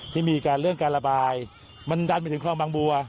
ที่มีการเรื่องการระบายมันดันไปถึงคลองบางบัว